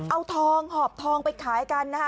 เอาทองหอบทองไปขายกันนะคะ